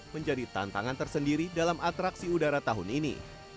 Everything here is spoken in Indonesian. menjadi tantangan tersendiri dalam atraksi udara tahun ini